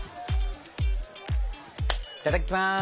いただきます。